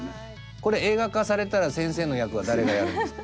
これ映画化されたら先生の役は誰がやるんですか？